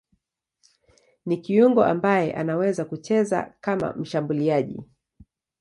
Ni kiungo ambaye anaweza kucheza kama mshambuliaji.